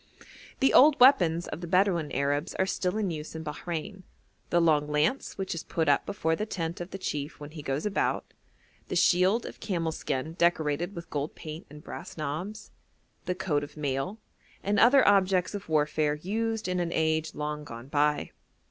The old weapons of the Bedouin Arabs are still in use in Bahrein: the long lance which is put up before the tent of the chief when he goes about, the shield of camel skin decorated with gold paint and brass knobs, the coat of mail, and other objects of warfare used in an age long gone by.